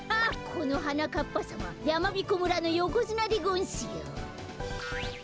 このはなかっぱさまやまびこ村のよこづなでごんすよ。